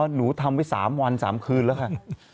อ๋อหนูทำ๒๓วันคืนแล้วกัน